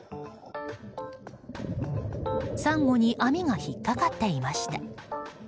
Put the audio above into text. サンゴに網が引っ掛かっていました。